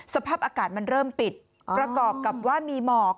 สภาพอากาศมันเริ่มปิดประกอบกับว่ามีหมอก